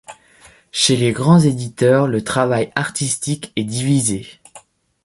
Chez les grands éditeurs le travail artistique est divisé.